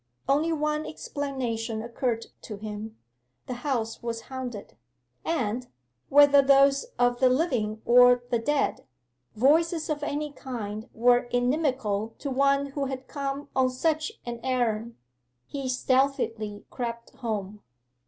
Only one explanation occurred to him; the house was haunted. And, whether those of the living or the dead, voices of any kind were inimical to one who had come on such an errand. He stealthily crept home.